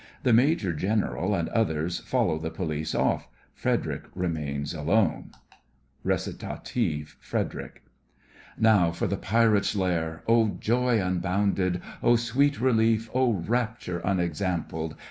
The MAJOR GENERAL and others follow the POLICE off. FREDERIC remains alone.) RECIT FREDERIC Now for the pirates' lair! Oh, joy unbounded! Oh, sweet relief! Oh, rapture unexampled!